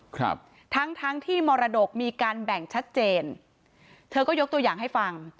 ครับทั้งทั้งที่มรดกมีการแบ่งชัดเจนเธอก็ยกตัวอย่างให้ฟัง